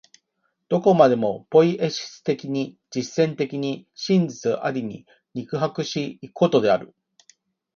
どこまでもポイエシス的に、実践的に、真実在に肉迫し行くことである。